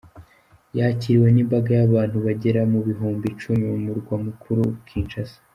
Yakiriwe n’imbaga y’abantu bagera mu bihumbi icumi mu Murwa Mukuru Kinshasa.